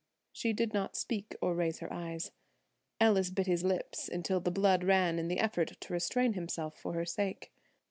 She did not speak or raise her eyes. Ellis bit his lips until the blood ran in the effort to restrain himself for her sake.